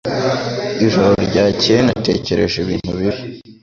Ijoro ryakeye natekereje ibintu bibi